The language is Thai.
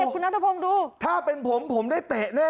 คุณน้ำทะพงดูถ้าเป็นผมผมได้เตะแน่นอนเลย